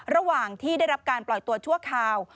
ระหว่างที่ได้รับการปล่อยตัวชั่วคราว